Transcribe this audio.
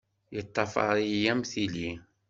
Yeṭṭafar-iyi am tili.